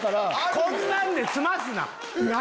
こんなんで済ますな。